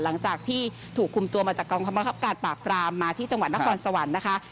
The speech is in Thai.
หลังจากที่ถูกคุมตัวมาจากกองคำบังคับการปราบปรามมาที่จังหวัดนครสวรรค์นะคะ